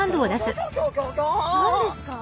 何ですか？